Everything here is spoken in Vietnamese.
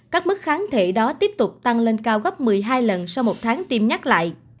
các mức kháng thể đó tiếp tục tăng lên cao gấp một mươi hai lần sau một tháng tiêm nhắc lại